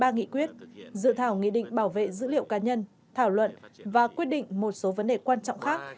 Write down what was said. ba nghị quyết dự thảo nghị định bảo vệ dữ liệu cá nhân thảo luận và quyết định một số vấn đề quan trọng khác